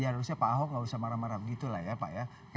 ya harusnya pak ahok gak usah marah marah begitu lah ya pak ya